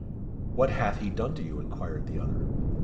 "What hath he done to you?" inquired the other.